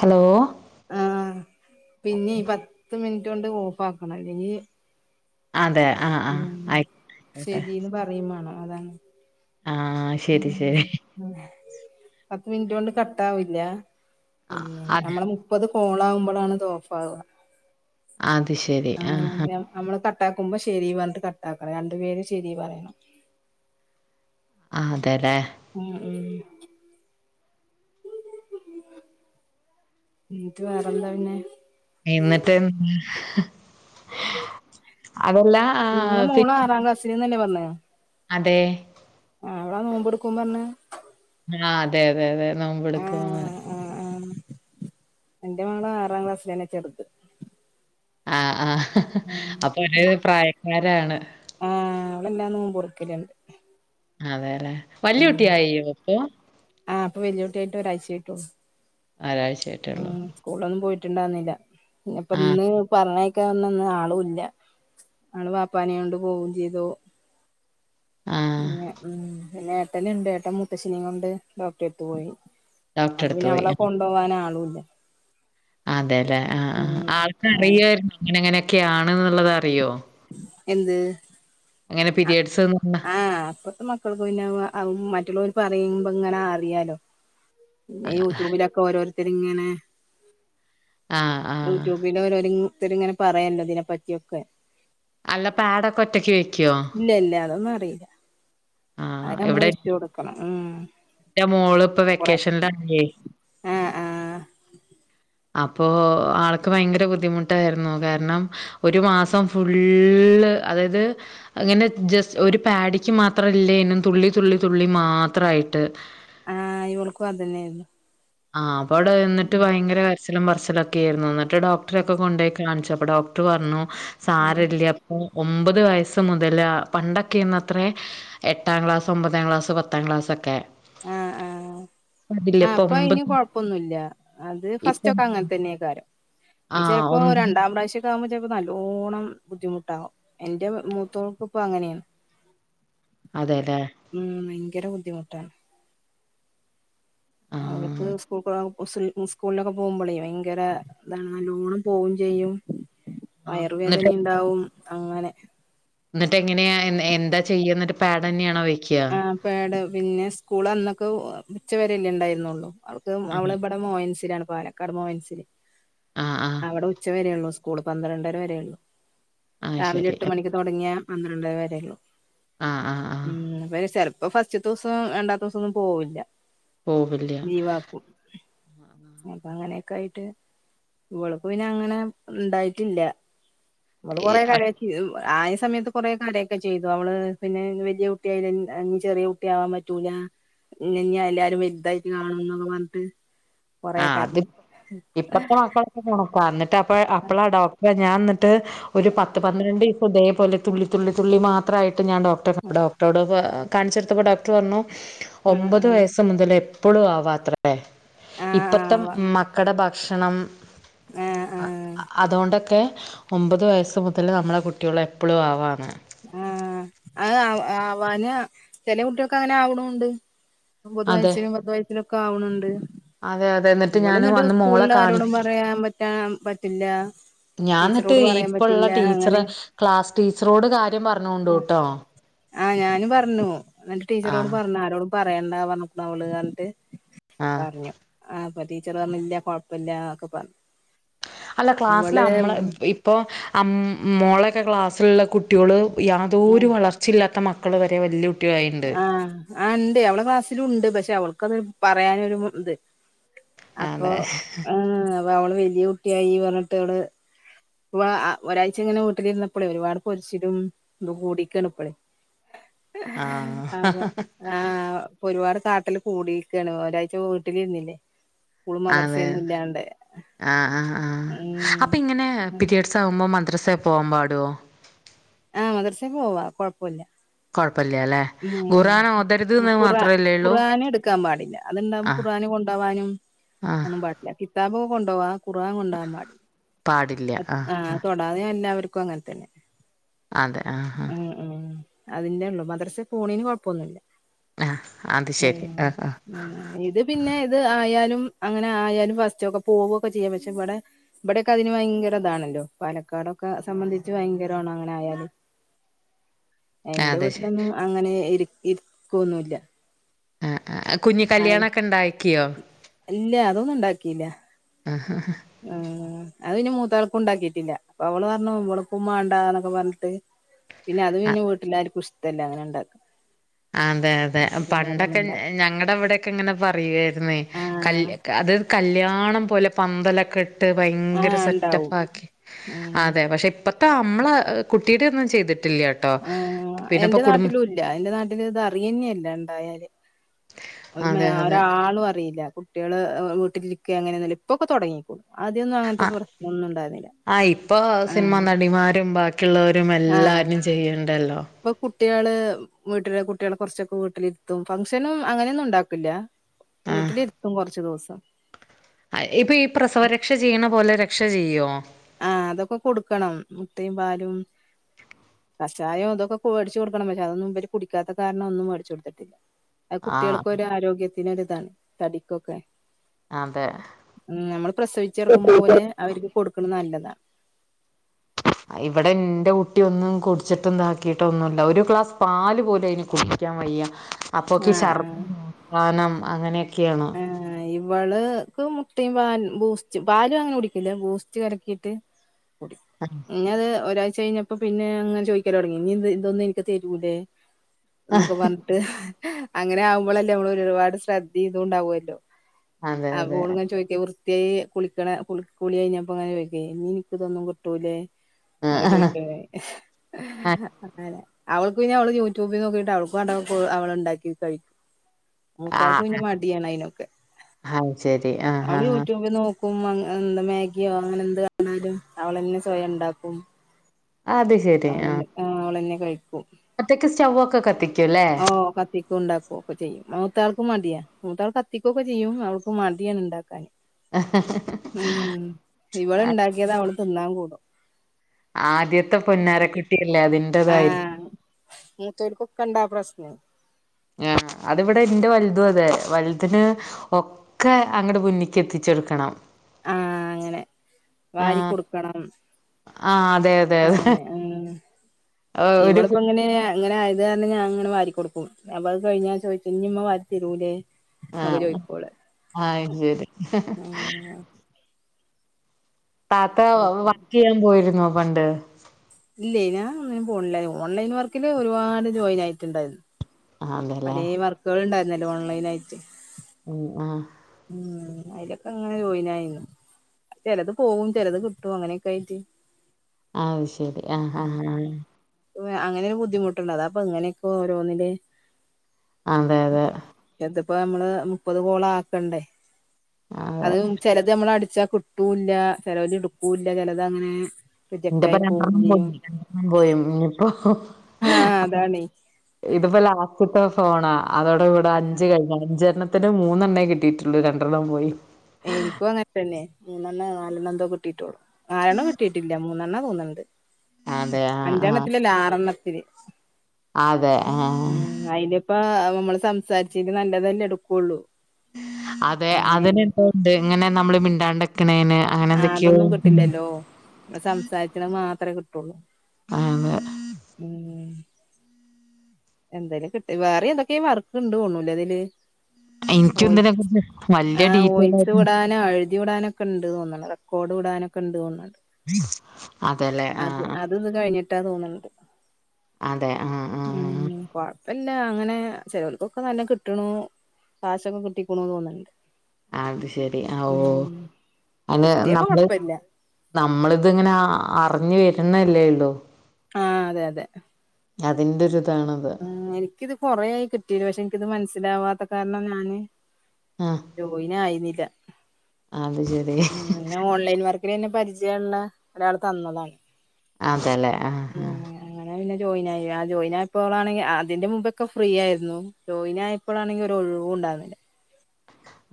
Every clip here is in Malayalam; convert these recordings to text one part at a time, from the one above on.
ഹലോ? ആഹ് പിന്നീ പത്ത് മിൻറ്റോണ്ട് ഓഫ് ആക്കണം അല്ലെങ്കി. അതെ ആഹ്. ഉം ശെരിന്ന് പറയുംവേണം അതാണ്. ആഹ് ശരി ശരി. പത്ത് മിൻറ്റ് കൊണ്ട് കട്ടാവില്ല. പിന്നെ അതെ അത് നമ്മള മുപ്പത് കോളാകുമ്പളാണ് ഇത് ഓഫ് ആവാ അത് ശെരി ആഹ് ആഹ് നമ്മള് കട്ടാക്കുമ്പോ ശരി പറഞ്ഞിട്ട് കട്ടാക്കണം. രണ്ടു പേര് ശെരി പറയണം ആഹ് അതെലെ ഉം ഉം ഇന്ന്‌ട്ട് വേറെന്താ പിന്നെ മീമട്ട് അതെല്ലാ നിങ്ങ മോള് ആറാം ക്ലാസ്സില് ഇന്നന്നെ പറഞ്ഞെ അതെ ആവളാ നോമ്പ് ഇടുക്കും പറഞ്ഞെ ആഹ് അതെ അതെ അതെ നോമ്പ് ഇടുക്കും ആഹ് ആഹ് ആഹ് എന്റെ മകള് ആറാം ക്ലാസ്സിലെന്നെ ചെറുത് ആഹ് ആഹ് ഉം അപ്പ ഒരേ പ്രായക്കാരാണ്. ആഹ് അവളെല്ലാ നോമ്പ് [unintelligible] റ്ക്കല്ണ്ട് അഹ് വേറെ വല്യ കുട്ടി ആയിനോ ഇപ്പൊ ആഹ് ഇപ്പ വല്യകുട്ട്യായിട്ട് ഒഴ്ച ആയിട്ടൊള്ളൂ ഒരാരാഴ്ചയായിട്ടൊള്ളൂ സ്കൂളൊന്നും പോയിട്ട്ണ്ടാന്നില്ല. ഇന്ന് ഇപ്പൊ ആ ഇന്ന് പറഞ്ഞ ക്കെന്ന ന്ന് ആളുല്ല. ആള് പാപ്പാനെ കൊണ്ട് പോകും ചെയ്തോ ആ ഉ ഉം പിന്നെ ഏട്ടനുണ്ട് ഏട്ടൻ മുത്തശ്ശിനിയും കൊണ്ട് ഡോക്ടറെ എത്തു പോയി ഡോക്ടറെ അപ്പൊ അടുത്ത് പിന്നെ പോയി അവളെ കൊ പോവാന ആളൂല്ല ആ, അതെല്ലേ ആഹ ആഹ ആൾക്ക അറിയമായിരുന്നു അങ്ങനെ അങ്ങനെയൊക്കെയ ആണന്നുള്ളത് അറിയോ എന്ത് അങ്ങനെ അഹ പീരിയഡ്സ് ആഹ അപ്പത്തെ മ മറ്റുള്ളവർക്ക് പറയുമ്പോ ഇങ്ങനെ അറിയാലോ യൂട്യൂബിലൊക്കെ ഓരോരുത്തർ ഇങ്ങനെ ആഹ ആഹ യൂട്യൂബിൽഓരോര് ഇങ്ങനെ പറയല്ലോ ഇതിനെപ്പറ്റിയൊക്കെ അല്ല പാടൊക്കെ ഒറ്റക്ക് വേയ്ക്കോ ഇല്ല ഇല്ല അതൊന്നും അറീല്ല. ആഹ് അത് നമ്മള് ഇവിടെ വച്ചു കൊടുക്കണം ഉം എന്റെ മോള് ഇപ്പ വെക്കേഷൻ [unintelligible] ആഹ ആഹ അപ്പോൾ ആൾക്ക് ഭയങ്കര ബുദ്ധിമുട്ടായിരുന്നു കാരണം ഒരു മാസം ഫുള്ള് അതായത് അങ്ങനെ ജസ്റ്റ് ഒരു പാടിക്ക് മാത്രം ഇല്ലേനും തുള്ളി തുള്ളി തുള്ളി മാത്രമായിട്ട് ആഹ് ഇവൾക്കു അതന്നെ ഇരുന്നു ആഹ് അവിടെ നിന്നിട്ട് ഭയങ്കരച്ചിലും കരച്ചിലും പറച്ചിലും ഒക്കെയായിരുന്നു എന്നിട്ട് ഡോക്ടറെ ഒക്കെ കൊണ്ടു പോയി കാണിച്ചു അപ്പൊ ഡോക് ടർ പറഞ്ഞു സാരെല്ല അപ്പൊ ഒമ്പത് വയസ് മുതൽ പണ്ടൊക്കെന്ന്ത്ര എട്ടാം ക്ലാസ് ഒമ്പതാം ക്ലാസ് പത്താം ക്ലാസ്സൊക്കെ ആഹ ആഹ് അതില്ല ആഹ ഇപ്പൊ അപ്പൊ ഇനി ഒമ്പത് കൊഴപ്പൊന്നുമല്ല അത് ഇപ്പം ഫസ്റ്റൊക്കെ അങ്ങനെ തന്നെയൊക്കൊര്യം ഇനി ആഹ് ചിലപ്പോ ഒമ്പത് രണ്ടാം പ്രാവശ്യം [unintelligible] മ്പോ ചപ്പോ നല്ലോണ്ണം ബുദ്ധിമുട്ടകും എന്റെ മൂത്തോൾക് ഇപ്പ അങ്ങനെയാണ് അതെല്ലേ ഉം ഭയങ്കര ബുദ്ധിമുട്ടാണ് അവൾക്ക് ആഹ് സ്കൂൾ [unintelligible] സ്കൂളിലൊക്കെ പോകുമ്പോളേ ഭയങ്കര ത നല്ലോണം പോവയും ചെയ്യും ആഹ് വയറുവേദന എന്നിട്ട് ഉണ്ടാവും അങ്ങനെ എന്നിട്ട് എങ്ങനെയാ എന്താ ചെയ്യ എന്നിട്ട് പാഡ് തന്നെയാണോ വെക്കുക പാഡ് പിന്നെ സ്കൂൾ അന്നൊക്കെ ഉച്ചവരെല്ലേ ഉണ്ടായിരുന്നുള്ളു അവൾക്ക് അവള് ആഹ് ഇവിടെ മോഹൻസിലാണ് പാലക്കാട് മോഹൻസിൽ ആഹ് ആഹ് അവിടെ ഉച്ചവരെയ ഉള്ളൂ സ് സ്കൂള് പന്ത്രണ്ടര വരേള്ളു ആഹ് രാവിലെ ശരി എട്ട് മണിക്ക് തുടങ്ങിയാ പന്ത്രണ്ടര വരേള്ളു ആഹ ആഹ ഉം പിന്നെ ചെലപ്പോ ഫസ്റ്റ് ദിവസം രണ്ടാത്തെ ദിവസം ഒന്നും പോവില്ല പോവില്ല ലീവാക്കും അപ്പൊ അങ്ങനെയൊക്കെ ആയിട്ട് ഇവള് പിന്നെ അങ്ങനെ ഉണ്ടായിട്ടില്ല ഇവള് കൊറെ കരയൊക്കെ ചെയ്തു ആയ സമയത്ത് കൊറെ കരയൊക്കെ ചെയ്തു അവള് പിന്നെ വലിയ കുട്ടിയായിലേ ഇനി ചെറിയ കുട്ടിയാവാൻ പറ്റൂല ഇല്ല ഇനി എല്ലാരും വലുതായിട്ട് കാണും എന്നൊക്കെ പറഞ്ഞിട്ട് കൊറേ ആഹ് അത് കരഞ്ഞ് ഇപ്പത്തെ [unintelligible] മക്കളൊക്കെ എന്നിട്ട് അപ്പ അപ്പളാ ഡോക് [unintelligible] ഞാൻ ഇന്നട്ട് ഒരു പത്ത് പന്ത്രണ്ട് ഇപ്പോ ഇതേപോലെ തുള്ളി തുള്ളി തുള്ളി മാ എത്ര ആയിട്ടും ഞാൻ ഡോക്ടറെ ഡോക്ടറോട് കാണിച്ചെടുത്തപ്പോൾ ഡോക്ടർ പറഞ്ഞു ഒമ്പത് ആഹ് വയസ് മുതൽ എപ്പോളും ആവാത്രേ ആഹ ഇപ്പത്തെ മക്കടെ ഭക്ഷണം ആഹ് ആഹ് അതുകൊണ്ടൊക്കെ ഒമ്പത് വയസ്സ് മുതൽ നമ്മളെ കുട്ടികൾ എപ്പോളും ആവാണ് ആഹ് അത് ആവ ആവാന് ചെല കുട്ടികൾക്ക് അങ്ങനെ ആവണുണ്ട് ഒമ്പത് അതെ വയസ്സിലും പത്ത് വയസിലൊക്കെ ആവണണ്ട് അതെ അതെ എന്നിട്ട് ഞാൻ ഇവള് ഇന്നട്ട് അന്ന് മോളെ സ്കൂളില് കാണി ആരോടും പറയാൻ പറ്റാൻ പറ്റില്ല ഞാൻ എന്നിട്ട് ടീച്ചറോട് പറയാൻ ഇപ്പള്ള പറ്റില്ല അങ്ങനെ ടീച്ചറെ ക്ലാസ് ടീച്ചറോട് കാര്യം പറഞ്ഞു ഓണ്ടുട്ടോ ആഹ് ഞാന് പറഞ്ഞു ഇന്നട്ട് ടീച്ചറോട് ആഹ് പറഞ്ഞു ആരോടും പറയണ്ട പറഞ്ഞ്ക്കുണു അവള് പറഞ്ഞിട്ട് ആഹ് പറഞ്ഞു ആ അപ്പ ടീച്ചർ പറഞ്ഞ് ഇല്ല കൊഴപ്പല്ല ഒക്കെ പറഞ്ഞു അല്ല ക്ലാസ്സില് ഇവള് മ്മളെ ഉം ഇപ്പോ മോളെക്കെ ക്ലാസ്സിലുള്ള കു ട്ടിയാൾ യാതോരു വളർച്ചയില്ലാത്ത മക്കൾ വരെ വല്ലിയ ആഹ് ആഹ് ഉണ്ടെ അവളെ ക്ലാസ്സിലുണ്ട് പക്ഷെ അവൾക്കത് പറയാനൊരു മ ഇത് അപ്പൊ അതെ അവള് വലിയ കുട്ടിയായി പറഞ്ഞിട്ട് അവള് ഇപ്പ ഒരാഴ്ച ഇങ്ങനെ വീട്ടിലിരുന്നപ്പളെ ഒരുപാട് പൊരിച്ചിലും ഇത് കൂടിക്കാണ് ഇപ്പളെ ആഹ് ആബ ആഹ് ഇപ്പോ ഒരുപാട് കാട്ടല് കൂടിക്കാണ് ഒരാഴ്ച വീട്ടിലിരുന്നില്ലേ സ്കൂളും അതെ മദ്രസയൊന്നും ഇല്ലാണ്ട് ആഹ് ആഹ് ആഹ് ഉം അപ്പൊ ഇങ്ങനെ പിരിയഡ്സ് ആകുമ്പോ മദ്രസേ പോകാൻ പാടോ ആഹ് മദർസേ പോവാ കൊഴപ്പല്ല കൊഴപ്പല്ലാല്ലേ ഉം ഖുറ ഉള്ളൂ ഖുർആന് എടുക്കാൻ പാടില്ല അത്ണ്ടാവുമ്പോ ആഹ് ഖുർആന് കൊണ്ടോവാനും ആഹ് ഒന്നും പാടില്ല കിതാബ് ഒക്കെ കൊണ്ടോവാ ഖുർആൻ കൊണ്ടോവാൻ പാടി പാടില്ല ആ ആഹ് തൊടാതെ എല്ലാവർക്കും അങ്ങൻ തന്നെ അതെ ആഹ് ആഹ് ഉം ഉം അതിന്റെ ഉള്ളൂ മദ്രസ പോണീന് കൊഴപ്പൊന്നുല്ല ആഹ് അത് ശരി ഉം ആഹ് ഉം ഇത് പിന്നെ ഇത് ആയാലും അങ്ങനെ ആയാലും ഫസ്റ്റ് ഒക്കെ പോവ ഒക്കെ ചെയ്യാം പക്ഷെ ഇവടെ ഇവടെയൊക്കെ അതിന് ഭയങ്കര ഇതാണല്ലോ പാലക്കാടൊക്കെ സംബന്ധിച്ച് ഭയങ്കരാണ് അങ്ങനെ ആയാല് ആഹ് എൻ്റെ അതെ ശരി വീട്ടിലൊന്നും അങ്ങനെ ഇരി ഇരി ഇരിക്കൊന്നുല്ല ആഹ് ആഹ് കുഞ്ഞ് ആയി കല്യാണൊക്കെ ഉണ്ടാക്കിയോ ഇല്ല അതൊന്നും ഉണ്ടാക്കീല്ല ആഹ് ആഹ് ആ ഉം അത് ഇനി മൂത്താൾക്കും ഉണ്ടാക്കിട്ടില്ല അപ്പൊ അവള് പറഞ്ഞു ഇവൾക്കും മാണ്ടാന്നൊക്കെ പറഞ്ഞിട്ട് പിന്നെ അത് ആഹ് പിന്നെ വീട്ടിലാർക്കും ഇഷ്ടല്ല അങ്ങനെ ഉണ്ടാക്കു അതെ അതെ പണ്ടൊക്കെ ഞങ്ങടെ ഇവടെക്കെ ഇങ്ങനെ പറയു ആഹ് അത് കല്യാണം പോലെ പന്തലൊക്കെ ട്ട് ഭയങ്കര ആഹ് സെറ്റപ്പ് ഉണ്ടാവും ആക്കി ഉം അതെ പക്ഷെ ഇപ്പ ട്ടോ നമ്മളെ കുട്ടീടെ ഒന്നും ചെയ്തിട്ടില്ല ട്ടോ ആ പിന്നെപ്പോ എൻ്റെ കുടും നാട്ടിലും ഇല്ല എൻ്റെ നാട്ടില് ഇത് അറിയന്നെല്ല ഉണ്ടായാല് ഒരു മ അതെ അതെ ഒരാളും അറിയില്ല കുട്ടിയാള് വീട്ടിലിരിക്കെ അങ്ങനെ ന ഇപ്പൊക്കെ തൊടങ്ങീക്കും ആദ്യം ന്നു അങ്ങൻത്തെ ആഹ് പ്രശ്നൊന്നും ഉണ്ടായിര്ന്നില്ല ആഹ് ഇപ്പൊ സിനിമ നടിമാരും ബാക്കിയുള്ളവരും ആഹ് എല്ലാരും ചെയ്യ്ണ്ടല്ലോ ഇപ്പൊ കുട്ടിയാള് വീട്ടില കുട്ടികള് ക കൊർച്ചൊക്കെ വീട്ടിലിര്ത്തും ഫംഗ്ഷനും അങ്ങനെയൊന്നും ഉണ്ടാക്കില്ല ആഹ് വീട്ടിലിരുത്തും കൊർച്ചു ദിവസം ഇപ്പൊ ഈ പ്രസവ രക്ഷ ചെയ്യണ പോലെ രക്ഷ ചെയ്യോ ആഹ് അതൊക്കെ കൊടുക്കണം മുട്ടയും പാലും കഷായം ഇതൊക്കെ വേട്ച്ച് കൊടുക്കണം പക്ഷേ അതൊന്നും ഇവര് കുടിക്കാത്ത കാരണം ഒന്നും മേട്ച്ചൊട്ത്തിട്ട്ല്ല അ ആഹ് കുട്ടികാൾക്ക ഒരു ആരോഗ്യത്തിനൊരിതാണ് തടിക്കൊക്കെ അതെ ഉം നമ്മൾ പ്രസവിച്ചിറക്കും പോലെ അവർക്ക് കൊടുക്കണ നല്ലതാ ഇവടെ ഇന്റെ കുട്ടി ഒന്നും കുടിച്ചിട്ടും ഇതാക്കിയിട്ട ഒന്നുല്ല ഒരു ഗ്ലാസ് പാല് പോലു അയ്ന് കൊ ൻ വയ്യ അപ്പോക്കെ ആ ആ ശർദാനം അങ്ങനെയൊക്കെയാണ് ആഹ് ഇവള്ക്ക് മുട്ടയും പാ ബൂസ്റ്റ് പാലും അങ്ങനെ കുടിക്ക്ല്ലേ ബൂസ്റ്റ് കലക്കിയിട്ട് കുടി അഹ് ഇനി അത് ഒരാഴ്ച കഴിഞ്ഞപ്പോ പിന്നെ അങ്ങനെ ചോയ്ക്കലൊട്ങ്ങി ഇനി ഇത് ഇതൊന്നും എനിക്ക് തരൂലേ ന്നൊക്കെ പർഞ്ഞിട്ട് അങ്ങനെ ആവുമ്പളല്ലേ നമ്മള് ഒരുപാട് ശ്രദ്ധി ഇതു ഉണ്ടാവല്ലോ അതെ അപ്പോ അതെ ഓള്ങ്ങനെ ചോയ്ക്കാ കൃത്യായി കുളിക്കണ കുളി കുളിയയ്ഞ്ഞപ്പങ്ങനെ വയ്ക്ക ഇനി എനിക്കിതൊന്നും കിട്ടൂലേ നക്കെ ആഹ് ചോദിക്ക അല്ലെ അവക്ക് പിന്നെ അവള് യൂട്യൂബിൽ നോക്കിയിട്ട് അവൾക്ക് വേണ്ടേ അവക്ക് അവള് ഉണ്ടാക്കി കഴിക്കും മൂത്താൾക്ക് പിന്നെ ആഹ് മടിയാണ് അയിനൊക്കെ അത് ശരി ആഹ് അവള് ആഹ് യൂട്യൂബില് നോ ക്കും എന്താ മാഗിയോ അങ്ങനെ എന്ത് വേണലും അവളന്നെ സ്വയം ഉണ്ടാക്കും അതെ അവളെ ആഹ് അവളെന്നെ കഴിക്കും ഒറ്റയ്ക്ക് സ്റ്റോവ് ഒക്കെ കത്തി ഓഹ് കാത്തി ഉണ്ടാക്കുക ഒക്കെ ചെയ്യും മൂത്താൾക്ക് മടിയ മൂത്താൾക്ക് കത്തിക്കുവൊക്കെ ചെയ്യും അവൾക്ക് മടിയാണ് ഉണ്ടാക്കാൻ ആ ഉം ഇവള് ഉണ്ടാക്കിയത് അവള് തിന്നാൻ കൂടും ആദ്യത്തെ പൊന്നാരക്കുട്ടിയല്ലേ അതിന്റാതായിരിക്കും മുത്തവര്ക്കൊക്കാ ഉണ്ട ആ പ്രശ്നം ആഹ് അതിവിടെ എന്റെ വലുതും അതെ വലുതിന് ഒ ക്കെ അങ്ങട് മുന്നിക്ക് എത്തിച്ചെടുക്കണം ആഹ് അങ്ങനെ വാരി കൊടുക്കണം ആഹ് അതെ അതെ അതെ അങ്ങനെ ഉം ഒരു ഇവളിപ്പോ അങ്ങനെ അങ്ങനെ ആയത് കാരണം ഞാൻ അങ്ങനെ വരി കൊടുക്കും അപ്പ അത് കഴിഞ്ഞാ ചോദിച്ചു ഇനിമ്മ വരി തരൂലേ [unintelligible] അയ്ശേരി ആഹ് താത്ത കൊഴപ്പല്ല വർക്കേയ്യാൻ പോയിരുന്നോ പണ്ട് ഇല്ലേ ഞാൻ ഒന്നിനും പോണില്ല ഓൺലൈൻ വർക്കില് ഒരുപാട് ജോയിൻ ആയിട്ടുണ്ടായിരുന്നു ആഹ് അതെല്ലേ പലേ വർക്കുകൾ ഉണ്ടായിരുന്നല്ലോ ഓൺലൈൻ ആയിട്ട് ഉം ആഹ് ഉം അയിലോക്ക അങ്ങനെ ജോയിനായിരുന്നു ചിലത് പോവും ചിലത് കിട്ടും അങ്ങനെയൊക്കെ ആയിട്ട് ഔ ശെരി ആഹ് ആഹ് ആഹ് അങ്ങനൊരു ബുദ്ധിമുട്ടൊണ്ട് അതാപ്പോ ഇങ്ങനെയൊക്കോ ഓരോന്നില് അതെ അതെ ഇതിപ്പോ നമ്മള് മുപ്പത് കോളാക്കണ്ടേ അതെ അത് ചിലത് നമ്മൾ അടിച്ചാ കി ട്ടൂല്ല ചെലോൽ ഇടുക്കുല്ല ചെലതങ്ങനെ ഇന്റെപ്പം രണ്ടെണ്ണം പോയി രണ്ടെണ്ണം പോയി ഇനിപ്പോ ആഹ് അതാണേ ഇതിപ്പോ ലാസ്റ്റത്തെ ഫോണാ അതോടെ ഇവിടെ അഞ്ച് കഴിഞ്ഞ് അഞ്ചെണ്ണ ത്തിൽ മൂന്നെണ്ണേ കിട്ടിയിട്ടുള്ളു രണ്ടെണ്ണം പോയി എനിക്കും അങ്ങന് തന്നെ മൂന്നെണ്ണോ നാലെണ്ണോ എന്തോ കിട്ടിട്ടുളൂ നാലെണ്ണം കിട്ടിയിട്ടില്ല മൂ ന്നെണ്ണ തോന്ന്ണ്‌ണ്ട് അതെ ആഹ് ആഹ് അഞ്ചെണ്ണത്തിലല്ല ആറെണ്ണത്തില് അതെ. ആഹ്. ഉം അയില് ഇപ്പ നമ്മള് സംസാരിചെയ്ൽ നല്ലതല്ലെ എടുക്കുള്ളു അതെ അതിനെന്തോണ്ട് ഇങ്ങനെ നമ്മള് മിണ്ടാണ്ട്ക്കണെയ്ന് അങ്ങനെ എന്തൊക്കെയോ ഉം സംസാരിക്കണേ മാത്രെ കിട്ടുള്ളൂ അങ്ങനെ ഉം എന്തായാലും കിട്ടി വേറെ എന്തൊക്കെ വർക്ക്ണ്ടുണിലേ ഇതില് എനിക്കും ഓയി ഇതിനെ കുറിച്ച് വല്യ ആഹ് ഡീറ്റെയിൽ ഓയിസ് ആയിട്ട് വിടാനോ അഴി വിടാനൊക്കെണ്ട് തോന്ന്ണ് റെക്കോഡ് വിടാനൊക്കെണ്ട് തോന്ന്ണ്‌ണ്ട് അതെല്ലേ അത് ആഹ്. അത് ഇത് കഴിഞ്ഞിട്ടാ തോന്ന്ണ്‌ണ്ട് അതെ ആഹ് ആഹ് ഉം കൊഴപ്പില്ല അങ്ങനെ ചെലവുകൾക്കൊക്കെ നല്ല കിട്ടണു കാശൊക്കെ കിട്ടിക്കുണു തോന്ന്ണ്ട് അത് ശെരി അ ഉം ഓ അത് കിട്ടിയ നമ്മള് കൊഴപ്പില്ല നമ്മളിത്ങ്ങന അറിഞ് വരുന്നല്ലേള്ളു ആഹ് അതെ അതെ അതിന്റോരു ആഹ് എനിക്കിത് കൊറയായി കിട്ടീട്ട് പക്ഷെ എനിക്കിത് മനസ്സിലാവാത്ത കാരണം ഞാന് ആഹ് ജോയിനായിനില്ല അത് ശരി അങ്ങനെ ഓൺലൈൻ വർക്കിനെന്നെ പരിചയൊള്ള ഒരാൾ തന്നതായി അതെല്ലേ ആഹ് ആഹ് അങ്ങനെ പിന്നെ ജോയിൻ ആയി ആ ജോയിനായപ്പോളാണെങ്കി ആ അതിന്റെ മുമ്പൊക്കെ ഫ്രീ ആയിരുന്നു ജോയിനായപ്പളാണെങ്കി ഒരോഴിവുണ്ടാവുന്നില്ല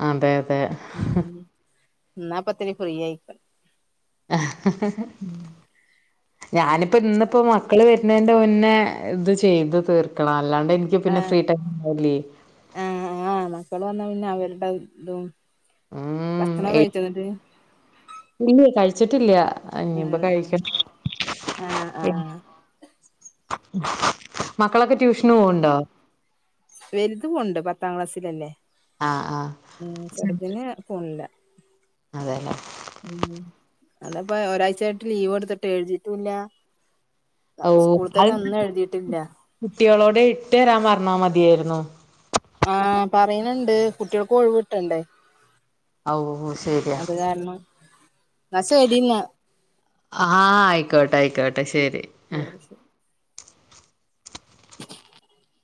അതെ അതെ ഉം ഇന്നാപ്പത്തിരി ഫ്രീ ആയി ഞാനിപ്പോ ഇന്നിപ്പോ മക്കള് വരുന്നേയ്ന്റെ മുന്നേ ഇത് ചെയ്തു തീർക്കണം അല്ലാണ്ട് എനി നിക്ക് പിന്നെ ആഹ് ഫ്രീ ടൈം ആയാല് ആഹ് ആഹ് മക്കള് വന്ന പിന്നെ അവര്ടെ ഇതും ഉം ഭക്ഷണം കഴിചോന്നിട്ട് ഇല്ലെ കഴിച്ചിട്ടില്ല അനിയിപ്പ ആഹ് ആഹ് കഴിക്കണം ആഹ് ആഹ് [inaudible] മക്കളൊക്കെ ട്യൂഷന് പോവ്ണ്ടോ വല്ത് പോണ്ട് പത്താം ക്ലാസ്സിലല്ലേ ആഹ് ആഹ് ഉം ചെറുതിന് പോണില്ല അതെല്ലേ ഉം അല്ലപ്പ ഒരാഴ്ചയായിട്ട് ലീവ്ട്ത്തിട്ട് എഴുതീറ്റുല്ല അപ്പൊ സ്കൂള് തോന്നും ഒന്നും എഴുതിയിട്ടില്ല കുട്യോളോട് ഇട്ടെരാൻ പറഞ്ഞാ മതിയായിരുന്നു ആഹ് പറയ്ണ് ണ്ട് കുട്ട്യാൾക്കും ഒഴിവ് കിട്ടണ്ടേ ഔ ശരിയാ അത് കാരണം എന്നാ ശരി എന്നാ ആഹ് ആയിക്കോട്ടയിക്കോട്ടെ ശെരി ണേര് ശരി [inaudible]